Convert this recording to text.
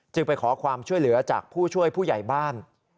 ไปขอความช่วยเหลือจากผู้ช่วยผู้ใหญ่บ้าน